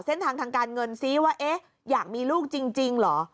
เส้นทางทางการเงินซิว่าอยากมีลูกจริงเหรอ